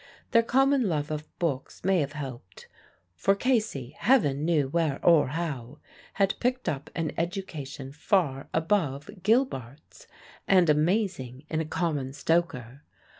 Their common love of books may have helped; for Casey Heaven knew where or how had picked up an education far above Gilbart's, and amazing in a common stoker.